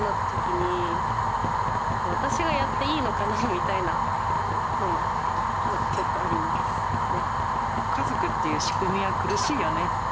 みたいなのがちょっとありますね。